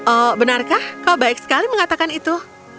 oh benarkah kau baik sekali mengatakan itu